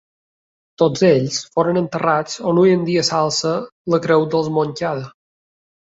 Tots ells foren enterrats on hui en dia s'alça la Creu dels Montcada.